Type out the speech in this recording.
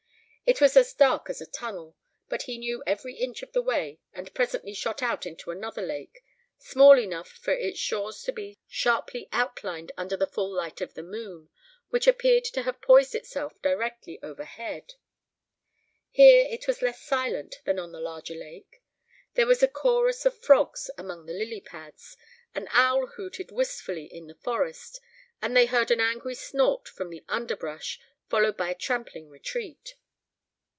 It was as dark as a tunnel, but he knew every inch of the way and presently shot out into another lake, small enough for its shores to be sharply outlined under the full light of the moon, which appeared to have poised itself directly overhead. Here it was less silent than on the larger lake. There was a chorus of frogs among the lily pads, an owl hooted wistfully in the forest, and they heard an angry snort from the underbrush, followed by a trampling retreat.